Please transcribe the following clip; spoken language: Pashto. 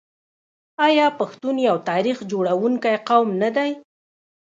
آیا پښتون یو تاریخ جوړونکی قوم نه دی؟